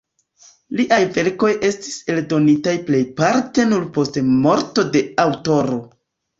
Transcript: Liaj verkoj estis eldonitaj plejparte nur post morto de aŭtoro.